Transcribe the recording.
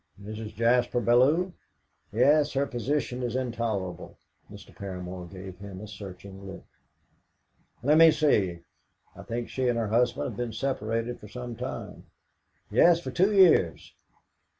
"Mrs. Jaspar Bellew?" "Yes; her position is intolerable." Mr. Paramor gave him a searching look. "Let me see: I think she and her husband have been separated for some time." "Yes, for two years."